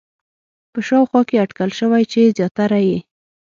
په شاوخوا کې اټکل شوی چې زیاتره یې